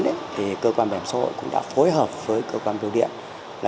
ngay từ đầu năm hai nghìn một mươi chín cơ quan bảo hiểm xã hội cũng đã phối hợp với cơ quan bưu điện